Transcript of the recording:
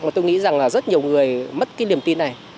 mà tôi nghĩ rằng là rất nhiều người mất cái niềm tin này